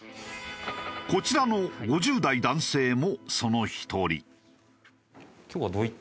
こちらの５０代男性もその１人。